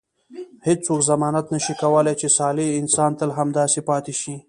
هیڅوک ضمانت نه شي کولای چې صالح انسان تل همداسې پاتې شي.